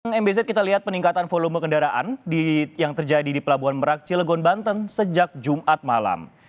mbz kita lihat peningkatan volume kendaraan yang terjadi di pelabuhan merak cilegon banten sejak jumat malam